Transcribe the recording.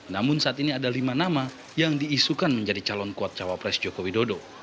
namun saat ini ada lima nama yang diisukan menjadi calon kuat cawapres jokowi dodo